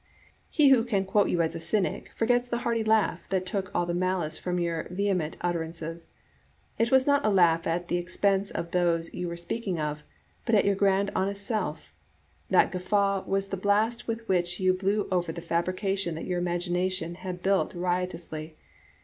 He who can quote you as a C3mic forgets the hearty laugh that took all the malice from your vehement utterances. It was not a laugh at the expense of those you were speak ing of, but at your grand honest self. That guffaw was the blast with which you blew over the fabrication that your imagination had built riotously.